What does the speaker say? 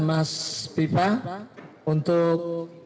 mas pipa untuk